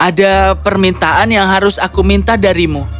ada permintaan yang harus aku minta darimu